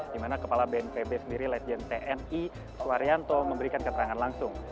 di mana kepala bnpb sendiri legend tni suharyanto memberikan keterangan langsung